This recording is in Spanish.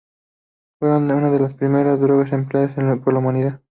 Fueron una de las primeras drogas empleadas por la humanidad.